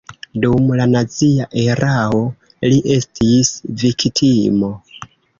Dum la nazia erao li estis viktimo.